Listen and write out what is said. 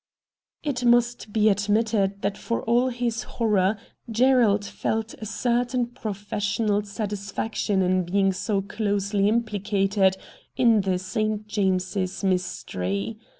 It must be admitted that for all his horror Gerald felt a certain professional satisfaction in being so closely implicated in the St. James's mystery.